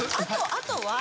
あとは？